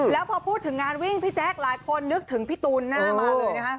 แล้วพอพูดถึงงานวิ่งพี่แจ๊คหลายคนนึกถึงพี่ตูนหน้ามาเลยนะคะ